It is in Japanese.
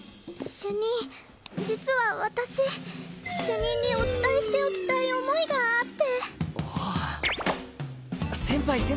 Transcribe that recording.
主任実は私主任にお伝えしておきたい思いがあって。